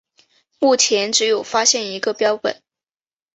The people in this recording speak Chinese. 目前只有发现一个标本。